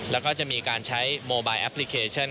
แล้วก็จะมีการใช้โมบายแอปพลิเคชัน